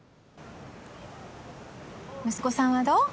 息子さんはどう？